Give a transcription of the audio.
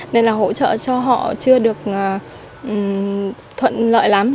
nên là hỗ trợ cho họ chưa được thuận lợi lắm